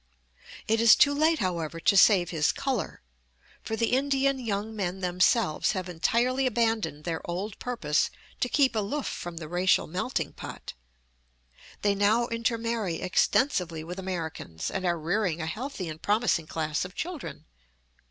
It is too late, however, to save his color; for the Indian young men themselves have entirely abandoned their old purpose to keep aloof from the racial melting pot. They now intermarry extensively with Americans and are rearing a healthy and promising class of children.